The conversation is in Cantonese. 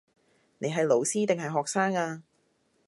你係老師定係學生呀